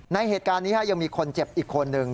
ในเหตุการณ์นี้ยังมีคนเจ็บอีกคนนึง